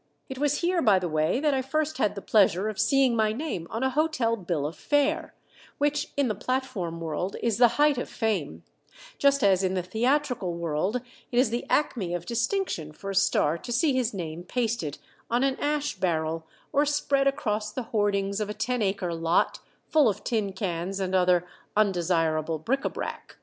It was here, by the way, that I first had the pleasure of seeing my name on a hotel bill of fare, which in the platform world is the height of fame, just as in the theatrical world it is the acme of distinction for a star to see his name pasted on an ash barrel, or spread across the hoardings of a ten acre lot full of tin cans and other undesirable bric à brac.